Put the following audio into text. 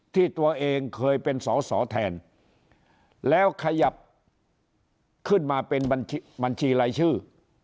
ที่ตัวเองเคยเป็นสอสอแทนแล้วขยับขึ้นมาเป็นบัญชีรายชื่อ